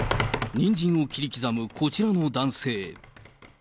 ニンジンを切り刻むこちらの男性。